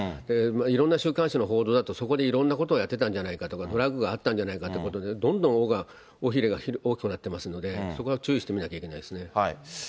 いろんな週刊誌の報道だと、そこでいろんなことをやってたんじゃないかとか、トラブルがあったんじゃないかとか、どんどん尾ひれが大きくなってますので、そこは注意してみないといけないですね。